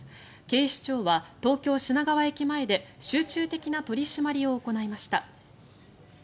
警視庁は東京・品川駅前で集中的な取り締まりを行いました。